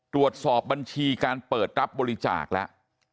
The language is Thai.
ตรวจสอบบัญชีการเปิดรับบริจาคแล้ว